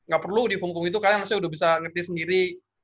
gak perlu dihukum hukum itu kalian sudah bisa ngerti sendiri